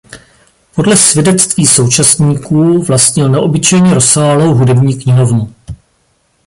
Podle svědectví současníků vlastnil neobyčejně rozsáhlou hudební knihovnu.